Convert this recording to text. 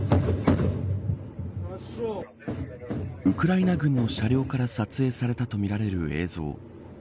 ウクライナ軍の車両から撮影されたとみられる映像。